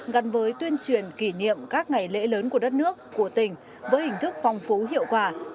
gắn với tuyên truyền kỷ niệm các ngày lễ lớn của đất nước của tỉnh với hình thức phong phú hiệu quả